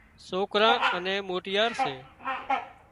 سوڪران اين موٽيار سي